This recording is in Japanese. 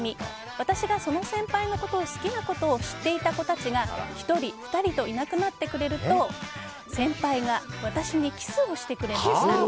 私がその先輩のことを好きなことを知っていた人たちが１人、２人といなくなってくれると先輩が私にキスをしてくれました。